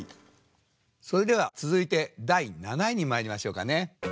それでは続いて第７位にまいりましょうかね。